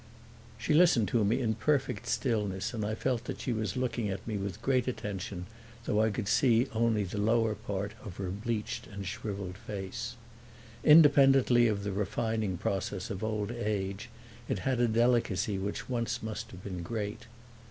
She listened to me in perfect stillness and I felt that she was looking at me with great attention, though I could see only the lower part of her bleached and shriveled face. Independently of the refining process of old age it had a delicacy which once must have been great.